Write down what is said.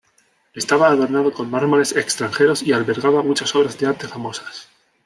Estaba adornado con mármoles extranjeros, y albergaba muchas obras de arte famosas.